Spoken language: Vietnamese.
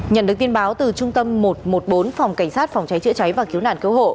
nhận được tin báo từ trung tâm một trăm một mươi bốn phòng cảnh sát phòng cháy chữa cháy và cứu nạn cứu hộ